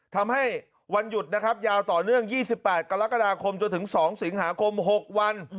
ทำให้วันหยุดนะครับยาวต่อเนื่อง๒๘กรกฎาคมจนถึง๒สิงหาคม๖วัน